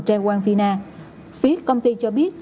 treo quang vina phía công ty cho biết